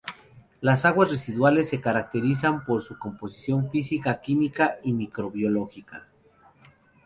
Las aguas residuales se caracterizan por su composición física, química y microbiológica.